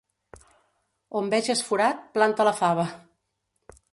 On veges forat, planta la fava.